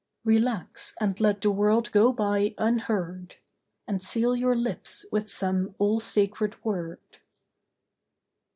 Relax, and let the world go by unheard. And seal your lips with some all sacred word.